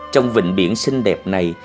trong vịnh biển xinh đẹp này